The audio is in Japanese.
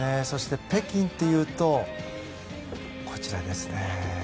そして、北京というとこちらですね。